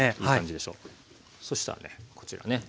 そしたらねこちらね